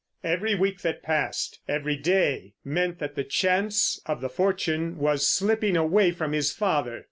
Every week that passed, every day, meant that the chance of the fortune was slipping away from his father.